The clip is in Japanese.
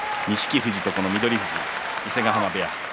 富士とこの翠富士伊勢ヶ濱部屋。